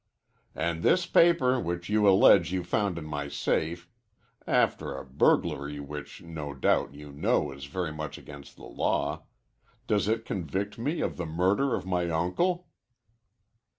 "And this paper which you allege you found in my safe after a burglary which, no doubt, you know is very much against the law does it convict me of the murder of my uncle?"